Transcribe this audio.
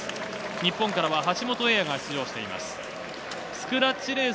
日本からは橋本英也が出場しています。